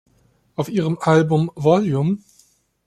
Auf ihrem Album "Vol.